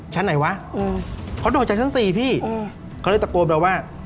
ไหนวะอืมเขาโดดจากชั้นสี่พี่เขาเลยตะโกนไปว่า